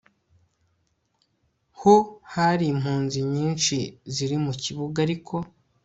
ho hari impunzi nyinshi ziri mu kibuga ariko